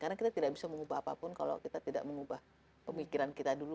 karena kita tidak bisa mengubah apapun kalau kita tidak mengubah pemikiran kita dulu